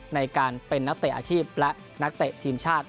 ในการเป็นนักเตะอาชีพและนักเตะทีมชาติ